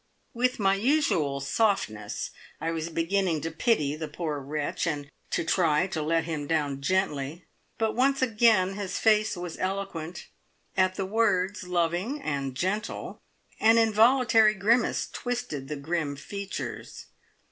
With my usual "softness" I was beginning to pity the poor wretch, and to try to let him down gently; but once again his face was eloquent. At the words "loving and gentle," an involuntary grimace twisted the grim features.